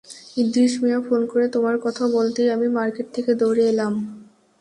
Idris Mia phone করে তোমার কথা বলতেই আমি মার্কেট থেকে দৌড়ে এলাম।